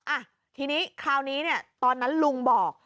อ่ะคราวนี้ตอนนั้นลุงบอก